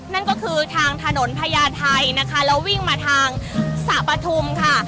นั่นก็คือทางถนนพญาไทยนะคะแล้ววิ่งมาทางสระปฐุมค่ะ